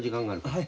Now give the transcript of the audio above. はい。